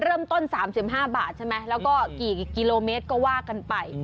เริ่มต้น๓๕บาทใช่ไหมแล้วก็กี่กิโลเมตรก็ว่ากันไป